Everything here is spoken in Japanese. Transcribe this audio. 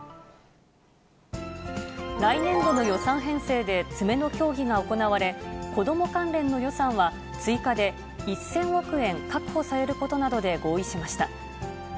来年度の予算編成で、詰めの協議が行われ、子ども関連の予算は追加で１０００億円確保されることなどで合意しました。